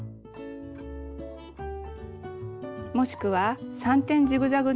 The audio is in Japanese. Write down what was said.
もしくは３点ジグザグ